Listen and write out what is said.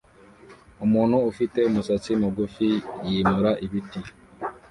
Umuntu ufite umusatsi mugufi yimura ibiti